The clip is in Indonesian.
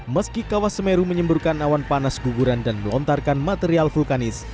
meski kawah semeru menyemburkan awan panas guguran dan melontarkan material vulkanis